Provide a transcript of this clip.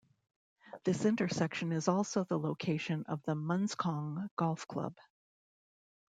This intersection is also the location of the Munscong Golf Club.